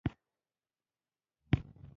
د خپل شخصیت پراختیا لپاره هڅې کول مهم دي.